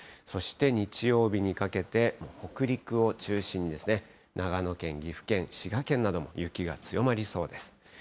そして日曜日にかけて、北陸を中心に、長野県、岐阜県、滋賀県なども雪が強まりそうです。